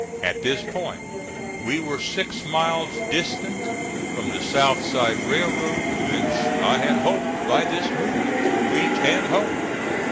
At this point we were six miles distant from the South Side Railroad, which I had hoped by this movement to reach and hold.